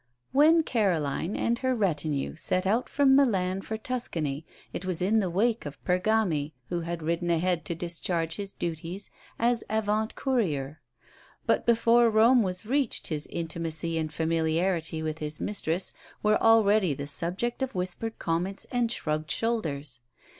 When Caroline and her retinue set out from Milan for Tuscany it was in the wake of Pergami, who had ridden ahead to discharge his duties as avant courier; but before Rome was reached his intimacy and familiarity with his mistress were already the subject of whispered comments and shrugged shoulders.